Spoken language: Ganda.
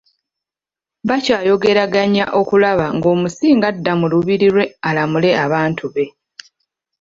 Bakyayogeraganya okulaba ng'Omusinga adda mu lubiri lwe alamule abantu be.